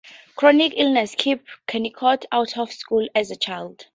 Chronic illness kept Kennicott out of school as a child.